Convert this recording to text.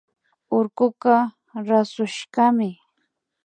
Urkuka rasushkami